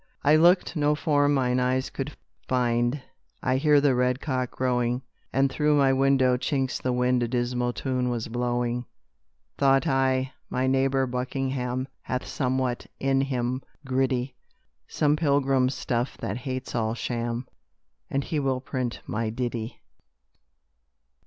I looked, no form mine eyes could find, I heard the red cock crowing, And through my window chinks the wind A dismal tune was blowing; Thought I, My neighbor Buckingham Hath somewhat in him gritty, Some Pilgrim stuff that hates all sham, And he will print my ditty.